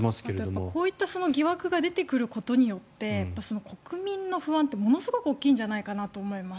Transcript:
あとは、こういった疑惑が出てくることによって国民の不安ってものすごく大きいんじゃないかと思います。